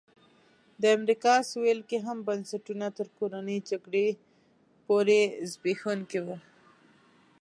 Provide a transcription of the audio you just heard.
د امریکا سوېل کې هم بنسټونه تر کورنۍ جګړې پورې زبېښونکي وو.